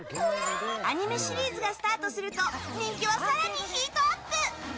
アニメシリーズがスタートすると人気は更にヒートアップ！